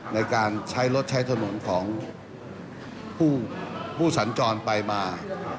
ในการใช้รถใช้ถนนของผู้สัญจรไปมา